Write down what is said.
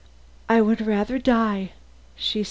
"I would rather die," said she.